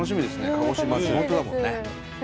鹿児島地元だもんね。